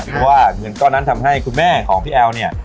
เพราะว่าเงินก้อนนั้นทำให้คุณแม่ของพี่แอลเนี่ย